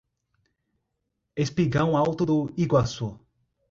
Espigão Alto do Iguaçu